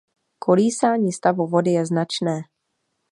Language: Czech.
Kolísání stavu vody je značné.